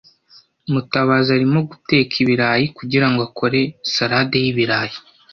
Mutabazi arimo guteka ibirayi kugirango akore salade y'ibirayi.